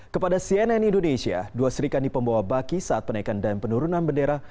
kepada cnn indonesia dua serikandi pembawa baki saat penaikan dan penurunan bendera